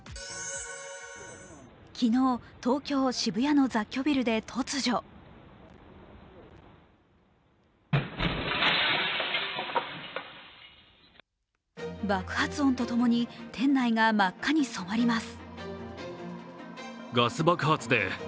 昨日、東京・渋谷の雑居ビルで突如爆発音とともに店内が真っ赤に染まります。